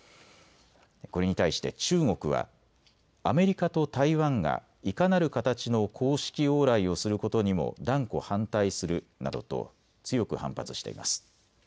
これに対して中国はアメリカと台湾がいかなる形の公式往来をすることにも断固反対するなどと強く反発しています。